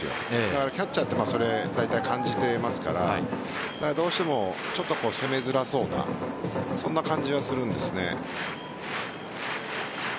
だからキャッチャーはそれを感じていますからどうしてもちょっと攻めづらそうなそんな感じがするんです。